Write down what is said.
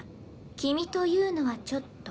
「君」というのはちょっと。